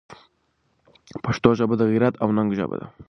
پښتو ژبه د غیرت او ننګ ژبه ده.